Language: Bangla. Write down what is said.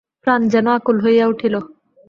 প্রাণ যেন আকুল হইয়া উঠিল।